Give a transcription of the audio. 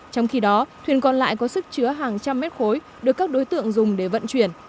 trong khi đó thuyền còn lại có sức chứa hàng trăm mét khối được các đối tượng dùng để vận chuyển